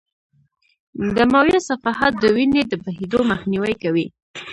دمویه صفحات د وینې د بهېدو مخنیوی کوي.